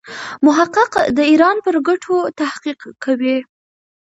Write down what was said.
محقق د ایران پر ګټو تحقیق کوي.